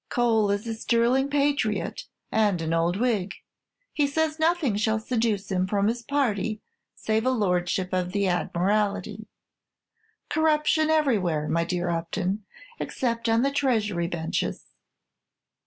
Cole is a sterling patriot and an old Whig. He says nothing shall seduce him from his party, save a Lordship of the Admiralty. Corruption everywhere, my dear Upton, except on the Treasury benches!